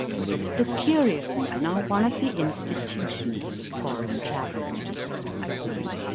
The curio men are one of the institutions of foreign travel in Japan.